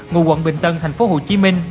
ngụ quận bình tân tp hcm